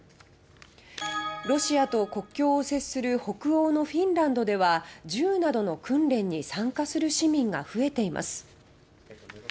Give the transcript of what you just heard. ロシアと国境を接する北欧のフィンランドでは銃などの訓練に参加する市民が増えています。